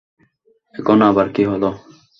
এখন আবার কী হল?